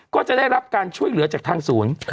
ก็จะได้รับการช่วยเหลือจากทางศูนย์